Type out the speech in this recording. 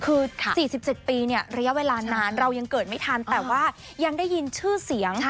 คือ๔๗ปีเนี่ยระยะเวลานานเรายังเกิดไม่ทันแต่ว่ายังได้ยินชื่อเสียง